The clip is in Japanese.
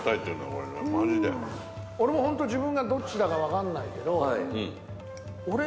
俺もホント自分がどっちだかわかんないけど。